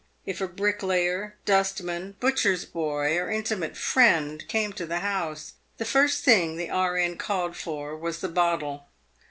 ' If a bricklayer, dustman, butcher's boy, or intimate friend came to the house, the first thing the R.N. called for was the bottle.